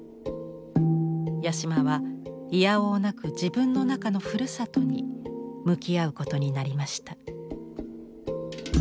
八島はいやおうなく自分の中の「ふるさと」に向き合うことになりました。